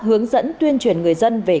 hướng dẫn tuyên truyền người dân về